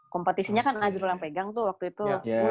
kompetisinya kan nazrul yang pegang tuh waktu itu